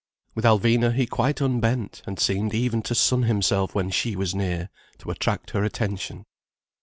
With Alvina he quite unbent, and seemed even to sun himself when she was near, to attract her attention.